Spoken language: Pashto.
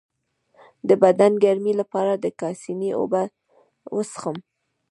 د بدن د ګرمۍ لپاره د کاسني اوبه وڅښئ